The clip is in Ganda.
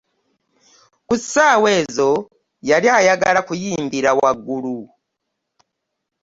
Kusaawa ezo yali ayagala kuyimbira waggulu .